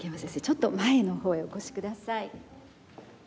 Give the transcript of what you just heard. ちょっと前のほうへお越し下さい。